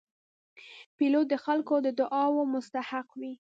پیلوټ د خلکو د دعاو مستحق وي.